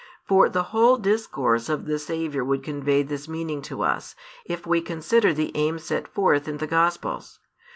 For the whole discourse of the Saviour would convey this meaning to us, if we consider the aim set forth in the Gospels.